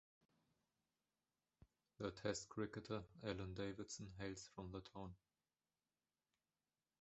The Test cricketer, Alan Davidson, hails from the town.